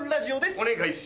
お願いします。